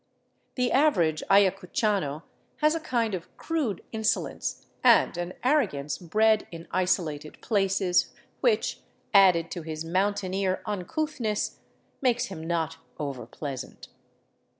The average ayacuchano has a kind of crude insolence and an arrogance bred in isolated places which, added to his mountaineer uncouthness, makes him not over pleasant.